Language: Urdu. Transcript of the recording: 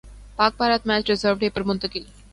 پاک بھارت میچ ریزرو ڈے پر منتقل